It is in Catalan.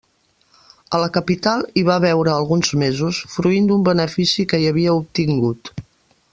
A la capital hi va veure alguns mesos, fruint d'un benefici que hi havia obtingut.